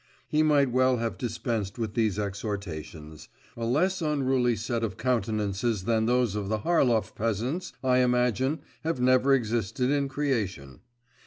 He might well have dispensed with these exhortations: a less unruly set of countenances than those of the Harlov peasants, I imagine, have never existed in creation.